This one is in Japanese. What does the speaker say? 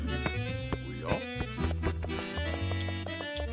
おや？